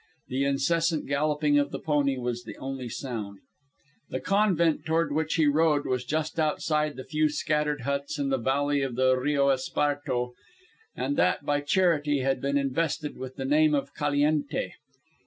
The incessant galloping of the pony was the only sound. The convent toward which he rode was just outside the few scattered huts in the valley of the Rio Esparto that by charity had been invested with the name of Caliente.